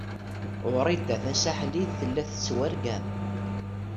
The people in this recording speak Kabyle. Wrida Tasaḥlit tella tettwargam.